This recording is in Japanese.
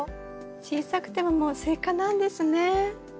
小さくてももうスイカなんですね。